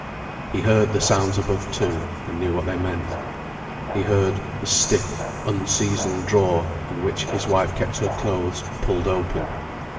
He heard the sounds above too, and knew what they meant. He heard the stiff, unseasoned drawer, in which his wife kept her clothes, pulled open.